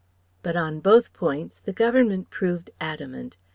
But on both points the Government proved adamant.